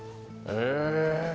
へえ。